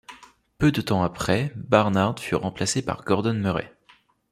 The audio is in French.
Peu de temps après, Barnard fut remplacé par Gordon Murray.